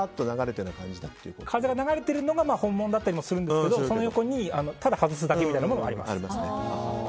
風が流れてるのが本物だったりもするんですがその横にただ外すだけみたいなものはあります。